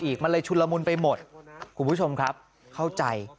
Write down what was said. อีกมันเลยชุนละมุนไปหมดคุณผู้ชมครับเข้าใจ